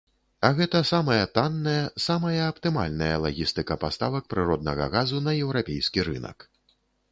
А гэта самая танная, самая аптымальная лагістыка паставак прыроднага газу на еўрапейскі рынак.